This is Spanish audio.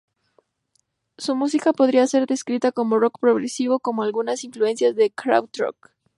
Su música podría ser descrita como rock progresivo con algunas influencias de krautrock.